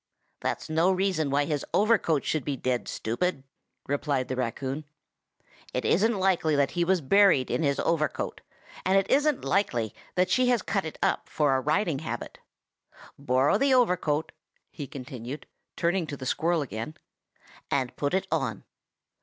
"That's no reason why his overcoat should be dead, stupid!" replied the raccoon. "It isn't likely that he was buried in his overcoat, and it isn't likely that she has cut it up for a riding habit. Borrow the overcoat," he continued, turning to the squirrel again, "and put it on.